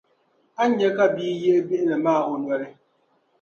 a ni nya ka bia yihi bihili maa o noli.